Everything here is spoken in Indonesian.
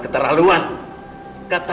apa kamu gak tau tuh